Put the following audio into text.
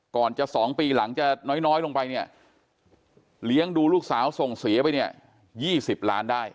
ก่อนจะ๒ปีหลังจะน้อยลงไปเนี่ยเลี้ยงดูลูกสาวส่งเสียไปเนี่ย๒๐ล้านได้